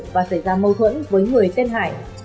và xảy ra mâu thuẫn với người tên hải